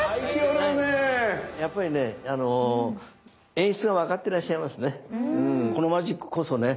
やっぱりねあの演出が分かってらっしゃいますね。